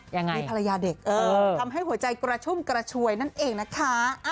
ยังไงมีภรรยาเด็กทำให้หัวใจกระชุ่มกระชวยนั่นเองนะคะ